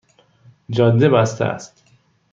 جاده بسته است